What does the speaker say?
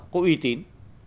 có uy tín